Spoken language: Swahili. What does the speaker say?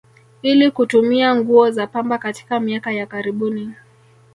Ili kutumia nguo za pamba katika miaka ya karibuni